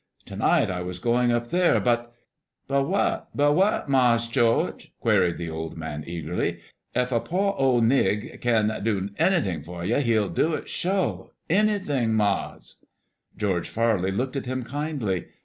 To night I was going up there, but" "But what, but what, Mars' George?" queried the old man eagerly. "Ef a po' ole nig kin do anything fer ye, he'll do it sho'. Anything, Mars'!" George Farley looked at him kindly.